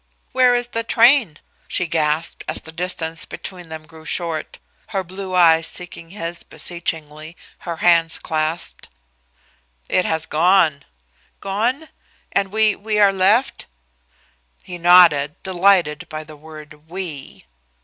"Where is the train?" she gasped, as the distance between them grew short, her blue eyes seeking his beseechingly, her hands clasped. "It has gone." "Gone? And we we are left?" He nodded, delighted by the word "we."